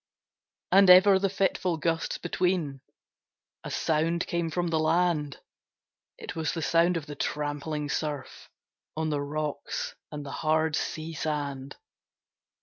And ever the fitful gusts between A sound came from the land; It was the sound of the trampling surf, On the rocks and the hard sea sand.